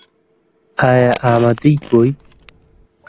ئایا ئامادەیت بۆی؟